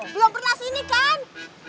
belum pernah sini kan